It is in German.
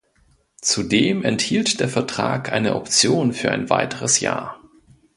Zudem enthielt der Vertrag eine Option für ein weiteres Jahr.